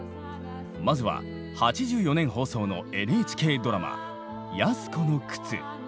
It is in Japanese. まずは８４年放送のＮＨＫドラマ「安寿子の靴」。